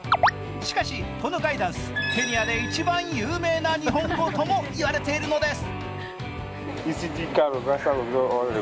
しかし、このガイダンス、ケニアで一番有名な日本語とも言われているのです。